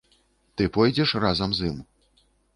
Ты пойдзеш разам з ім.